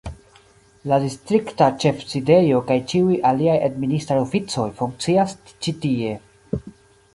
La distrikta ĉefsidejo kaj ĉiuj aliaj administraj oficoj funkcias ĉi tie.